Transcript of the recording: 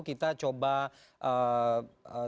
kita coba terhubungkan